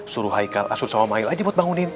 suruh haikal asyur sama ma'il aja buat bangunin